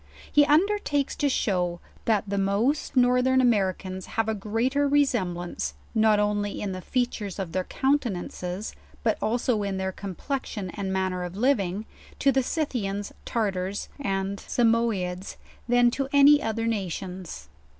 He under takes to show, that the most northern Americans have a greater resemblance, not only in the features of their coun tenances, but also in their complexion and manner of living, to the Scythians, Tartars and Samoeides, than to any other nations.